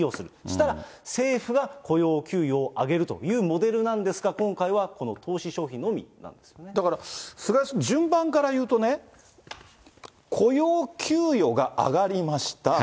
したら政府が雇用、給与を上げるというモデルなんですが、今回はこの投資・消費のみだから菅井さん、順番からいうとね、雇用・給与が上がりました。